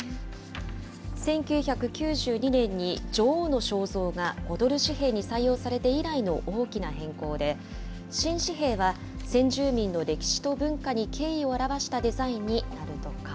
１９９２年に、女王の肖像が５ドル紙幣に採用されて以来の大きな変更で、新紙幣は先住民の歴史と文化に敬意を表したデザインになるとか。